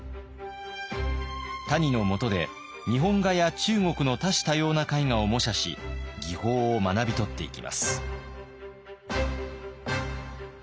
谷のもとで日本画や中国の多種多様な絵画を模写し技法を学び取っていきます。